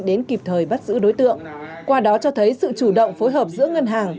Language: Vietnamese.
đến kịp thời bắt giữ đối tượng qua đó cho thấy sự chủ động phối hợp giữa ngân hàng